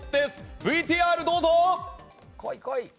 ＶＴＲ、どうぞ！